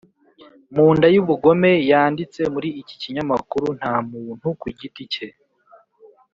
mu nday’ubugome yanditse muri iki kinyamakuru nta muntu ku giti cye